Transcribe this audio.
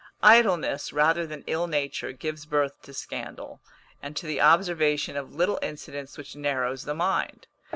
Idleness, rather than ill nature, gives birth to scandal, and to the observation of little incidents which narrows the mind.